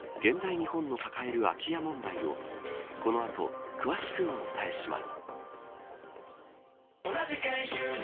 日本の抱える空き家問題をこの後、詳しくお伝えします。